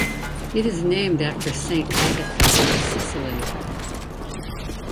It is named after Saint Agatha of Sicily.